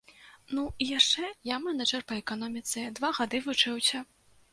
Ну, і яшчэ я мэнэджар па эканоміцы, два гады вучыўся.